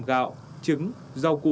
gạo trứng rau củ